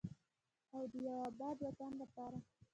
او د یو اباد وطن لپاره.